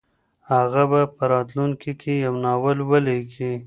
هغه به په راتلونکي کي یو ناول ولیکي.